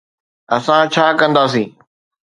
اسان ڇا ڪنداسين؟